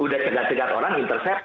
udah cegat cegat orang intercept